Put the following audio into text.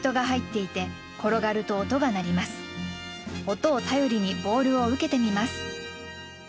音を頼りにボールを受けてみます。